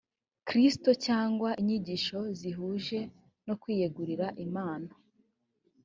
kristo cyangwa inyigisho zihuje no kwiyegurira imana